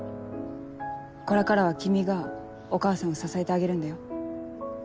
これからは君がお母さんを支えてあげるんだよ。